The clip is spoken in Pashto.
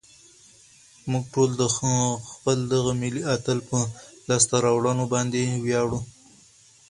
موږ ټول د خپل دغه ملي اتل په لاسته راوړنو باندې ویاړو.